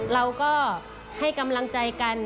เราก็ให้กำลังใจกัน